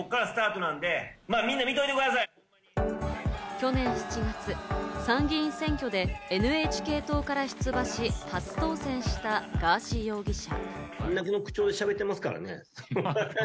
去年７月、参議院選挙でＮＨＫ党から出馬し、初当選したガーシー容疑者。